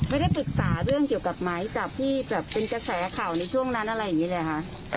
ไม่ได้ปรึกษาเรื่องเกี่ยวกับไม้จากที่แบบเป็นกระแสข่าวในช่วงนั้นอะไรอย่างนี้เลยค่ะ